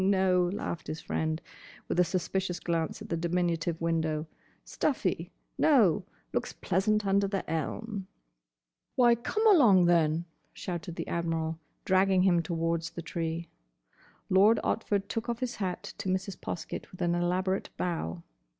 "No, no," laughed his friend, with a suspicious glance at the diminutive window. "Stuffy. No. Looks pleasant under the elm." "Why, come along, then!" shouted the Admiral, dragging him towards the tree. Lord Otford took off his hat to Mrs. Poskett with an elaborate bow.